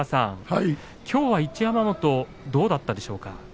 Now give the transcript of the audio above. きょうは一山本どうだったでしょうか。